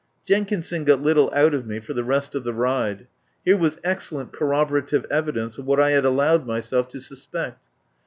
Jenkinson got little out of me for the rest of the ride. Here was excellent corrobora tive evidence of what I had allowed myself 44 I FIRST HEAR OF ANDREW LUMLEY to suspect.